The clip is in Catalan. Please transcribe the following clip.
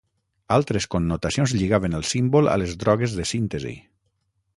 Altres connotacions lligaven el símbol a les drogues de síntesi.